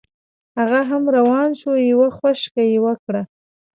هغه هم روان شو یوه خوشکه یې وکړه.